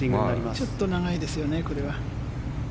ちょっと長いですよねこれは。